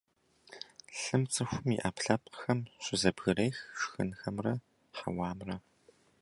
Лъым цӀыхум и Ӏэпкълъэпкъхэм щызэбгрех шхынхэмрэ хьэуамрэ.